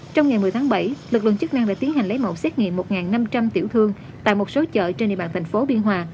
trong ngày một mươi tháng bảy lực lượng chức năng đã tiến hành lấy mẫu xét nghiệm một năm trăm linh tiểu thương tại một số chợ trên địa bàn thành phố biên hòa